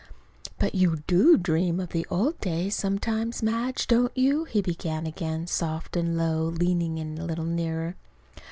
"But you do dream, of the old days, sometimes, Madge, don't you?" he began again, soft and low, leaning a little nearer.